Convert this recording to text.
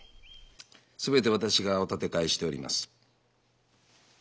全て私がお立て替えしております。